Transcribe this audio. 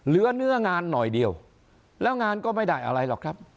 เนื้องานหน่อยเดียวแล้วงานก็ไม่ได้อะไรหรอกครับ